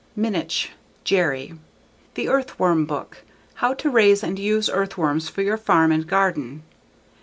Minnich, Jerry. _The Earthworm Book: How to Raise and Use Earthworms for Your Farm and Garden.